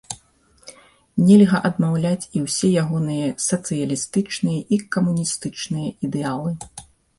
Нельга адмаўляць і ўсе ягоныя сацыялістычныя і камуністычныя ідэалы.